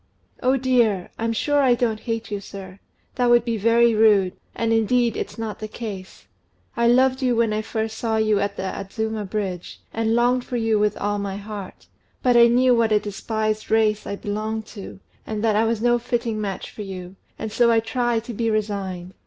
"Oh, dear! I'm sure I don't hate you, sir. That would be very rude; and, indeed, it's not the case. I loved you when I first saw you at the Adzuma Bridge, and longed for you with all my heart; but I knew what a despised race I belonged to, and that I was no fitting match for you, and so I tried to be resigned.